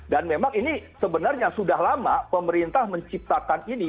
dan memang ini sebenarnya sudah lama pemerintah menciptakan ini